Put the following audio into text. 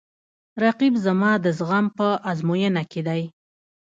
رقیب زما د زغم په ازموینه کې دی